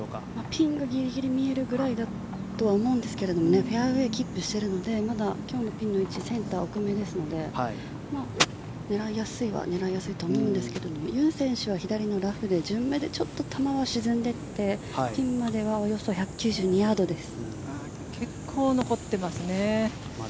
ピンがギリギリ見えるぐらいだと思うんですがフェアウェーキープしているので今日のピンの位置センター奥めですので狙いやすいは狙いやすいと思うんですがユン選手は左のラフで順目でちょっと球は沈んでいてピンまではおよそ１９２ヤードです。